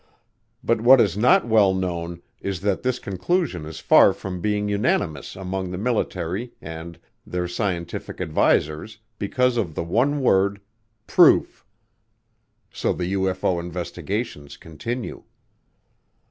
But what is not well known is that this conclusion is far from being unanimous among the military and their scientific advisers because of the one word, proof; so the UFO investigations continue.